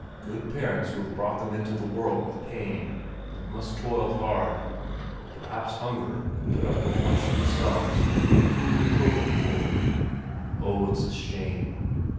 Good parents who have brought them into the world with pain, and must toil hard, perhaps hunger and put up with much themselves, to get food and clothing for them! Oh, it's a shame!